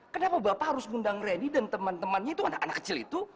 kenapa bapak harus mengundang reni dan teman temannya itu anak anak kecil itu